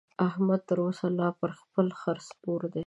احمد تر اوسه لا پر خپل خره سپور دی.